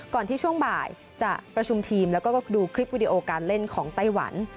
ก่อนที่ช่วงบ่ายจะประชุมทีมแล้วก็ดูคลิปวิดีโอการเล่นของไต้หวัน